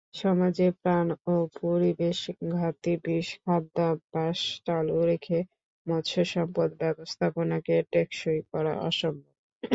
সমাজে প্রাণ ও পরিবেশঘাতী খাদ্যাভ্যাস চালু রেখে মৎস্যসম্পদ ব্যবস্থাপনাকে টেকসই করা অসম্ভব।